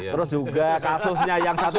terus juga kasusnya yang sat satu sat tiga